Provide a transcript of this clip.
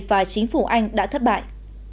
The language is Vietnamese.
và chính phủ anh đã thất bại